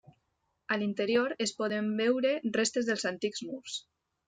A l'interior, es poden veure restes dels antics murs.